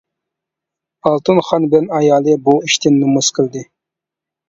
ئالتۇن خان بىلەن ئايالى بۇ ئىشتىن نومۇس قىلدى.